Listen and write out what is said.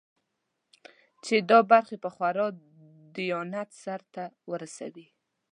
چې دا برخې په خورا دیانت سرته ورسوي.